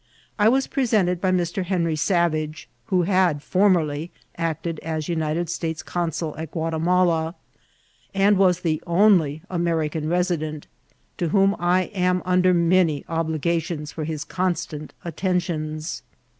I was presented by Mr. Henry Savage, who had formerly acted as United States consul at Guatimala, and was the only Ameri can resident, to whom I am under many obligations for his constant attentions.